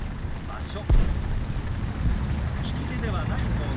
「場所」。